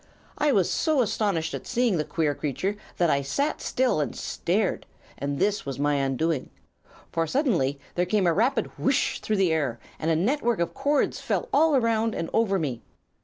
I was so astonished at seeing the queer creature that I sat still and stared, and this was my undoing. For suddenly there came a rapid 'whish!' through the air, and a network of cords fell all around and over me.